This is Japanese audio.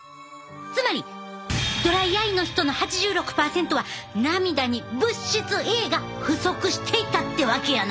つまりドライアイの人の８６％は涙に物質Ａが不足していたってわけやな。